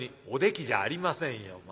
「おできじゃありませんよ